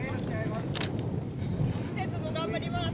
次節も頑張ります。